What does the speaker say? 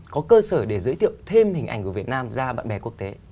có cơ sở để giới thiệu thêm hình ảnh của việt nam ra bạn bè quốc tế